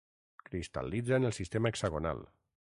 Cristal·litza en el sistema hexagonal.